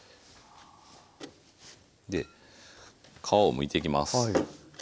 皮をむいていきます。